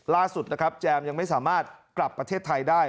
ล่าสุดนะครับแจมยังไม่สามารถกลับประเทศไทยได้